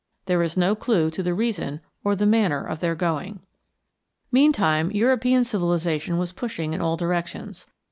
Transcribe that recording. There is no clew to the reason or the manner of their going. Meantime European civilization was pushing in all directions.